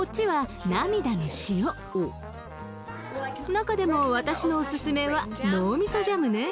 中でも私のおススメは脳みそジャムね。